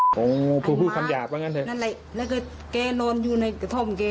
โอ้โหคือผู้ทำหยาบว่างั้นเถอะนั่นแหละแล้วก็เกโน้นอยู่ในกระท่อมเก